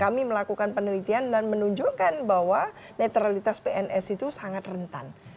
kami melakukan penelitian dan menunjukkan bahwa netralitas pns itu sangat rentan